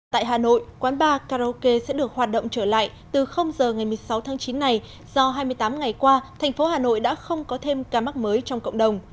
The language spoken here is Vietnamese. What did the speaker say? tại hà nội quán bar karaoke sẽ được hoạt động trở lại từ giờ ngày một mươi sáu tháng chín này do hai mươi tám ngày qua thành phố hà nội đã không có thêm ca mắc mới trong cộng đồng